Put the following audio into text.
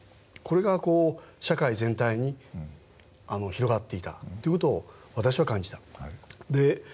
これが社会全体に広がっていたという事を私は感じた。